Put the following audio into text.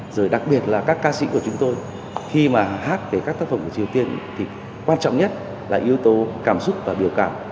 rồi đặc biệt là các ca sĩ của chúng tôi khi mà hát về các tác phẩm của triều tiên thì quan trọng nhất là yếu tố cảm xúc và biểu cảm